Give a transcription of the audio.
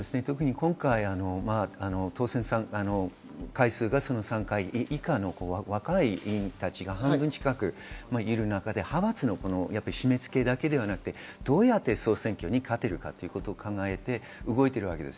今回、当選回数が３回以下の若い議員たちが半分近くいる中で派閥の締め付けだけではなくどうやって総選挙に勝てるのかを考えて動いています。